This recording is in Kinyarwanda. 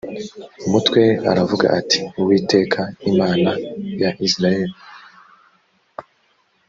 mutwe aravuga ati uwiteka imana ya isirayeli